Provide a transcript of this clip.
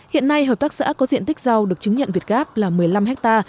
hiện nay hợp tác xã có diện tích rau được chứng nhận việt gáp là một mươi năm ha